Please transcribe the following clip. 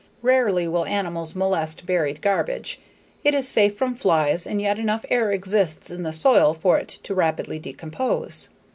Rarely will animals molest buried garbage, it is safe from flies and yet enough air exists in the soil for it to rapidly decompose.